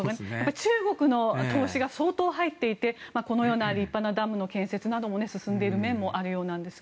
中国の投資が相当、入っていてこのような立派なダムの建設も進んでいる面もあるようなんですが。